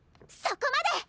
そこまで！